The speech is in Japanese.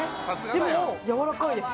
でもやわらかいです